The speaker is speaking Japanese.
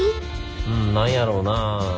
うん何やろうなあ。